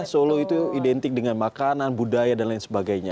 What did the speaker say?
solo itu identik dengan makanan budaya dan lain sebagainya